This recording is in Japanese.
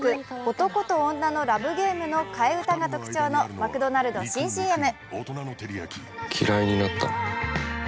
「男と女のラブゲーム」の替え歌が特徴のマクドナルド新ＣＭ。